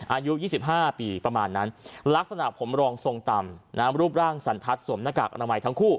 อายุ๒๕ปีประมาณนั้นลักษณะผมรองทรงต่ำรูปร่างสันทัศน์สวมหน้ากากอนามัยทั้งคู่